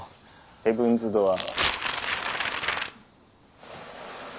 ヘブンズ・ドアー。